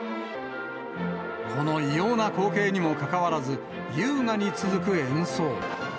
この異様な光景にもかかわらず、優雅に続く演奏。